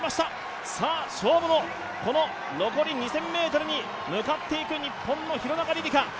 勝負の残り２０００ｍに向かっていく日本の廣中璃梨佳。